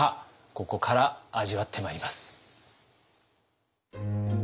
ここから味わってまいります。